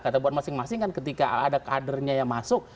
kata buat masing masing kan ketika ada kadernya yang masuk